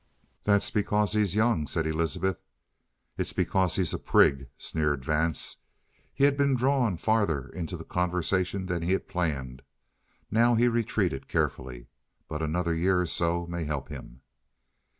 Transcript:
"That's because he's young," said Elizabeth. "It's because he's a prig," sneered Vance. He had been drawn farther into the conversation than he planned; now he retreated carefully. "But another year or so may help him."